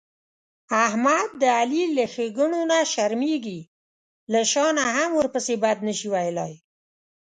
احمد د علي له ښېګڼونه شرمېږي، له شا نه هم ورپسې بد نشي ویلای.